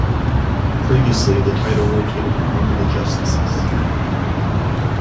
Previously the title rotated among the justices.